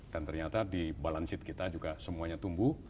dan ternyata di balance sheet kita juga semuanya tumbuh